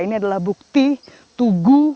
ini adalah bukti tugu